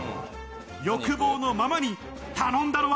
欲望のままに頼んだのは。